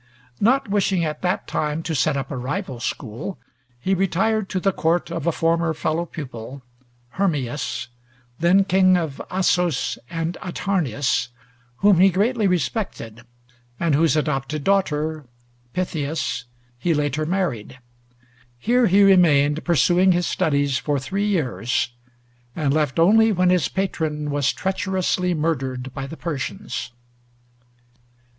Not wishing at that time to set up a rival school, he retired to the court of a former fellow pupil, Hermias, then king of Assos and Atarneus, whom he greatly respected, and whose adopted daughter, Pythias, he later married. Here he remained, pursuing his studies, for three years; and left only when his patron was treacherously murdered by the Persians.